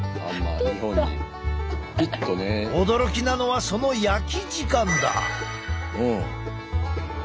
驚きなのはその焼き時間だ。